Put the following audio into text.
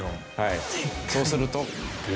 そうすると。